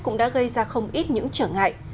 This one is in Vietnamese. cũng đã gây ra không ít những trở ngại